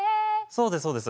そうですそうです。